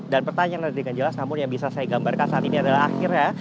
dan pertanyaan ada dengan jelas namun yang bisa saya gambarkan saat ini adalah akhirnya